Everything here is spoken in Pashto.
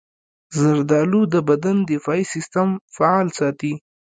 زردالو د بدن دفاعي سستم فعال ساتي.